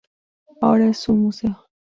Ahora es un museo.